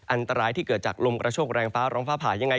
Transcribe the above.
อันตรายที่เกิดจากลมกระโชคแรงฟ้าร้องฟ้าผ่ายังไง